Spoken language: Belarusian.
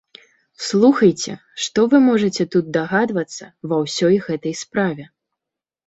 Слухайце, што вы можаце тут дагадвацца ва ўсёй гэтай справе?